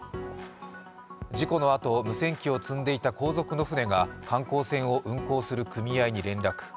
事故のあと、無線機を積んでいた後続の舟が観光船を運航する組合に連絡。